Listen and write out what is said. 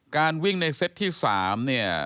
การวิ่งในเซตที่๓เนี่ย